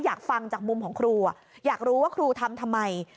อยากฟังจากมุมของครูอยากรู้ว่าครูทำทำไม